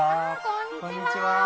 こんにちは。